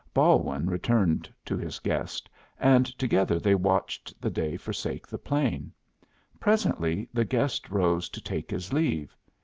Balwin returned to his guest, and together they watched the day forsake the plain. Presently the guest rose to take his leave.